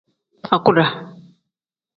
Aguda.